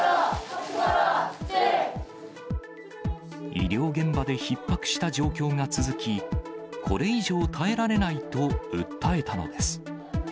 医療現場でひっ迫した状況が続き、これ以上耐えられないと訴えたのです。